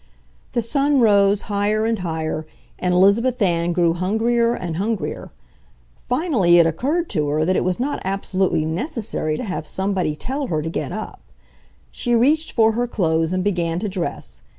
The sun rose higher and higher, and Elizabeth Ann grew hungrier and hungrier. Finally it occurred to her that it was not absolutely necessary to have somebody tell her to get up. She reached for her clothes and began to dress.